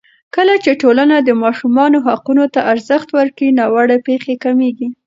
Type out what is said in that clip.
کله چې ټولنه د ماشومانو حقونو ته ارزښت ورکړي، ناوړه پېښې کمېږي.